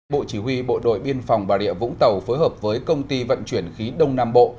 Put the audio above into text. bộ chỉ huy bộ đội biên phòng bà rịa vũng tàu phối hợp với công ty vận chuyển khí đông nam bộ